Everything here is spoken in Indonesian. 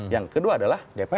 yang kedua adalah dpr